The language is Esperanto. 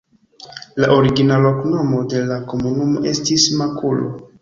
La origina loknomo de la komunumo estis Maluko.